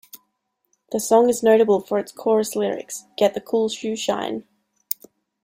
The song is notable for its chorus lyrics 'get the cool shoeshine'.